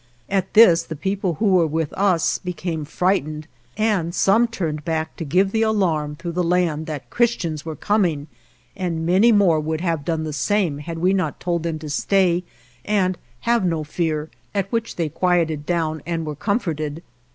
At this the people who were with us became fright ened, and some turned back to give the alarm through the land that Christians were coming, and many more would have done the same had we not told them to stay and have no fear, at which they quieted down and were comforted.